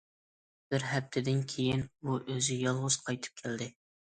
بىر ھەپتىدىن كېيىن ئۇ ئۆزى يالغۇز قايتىپ كەلدى.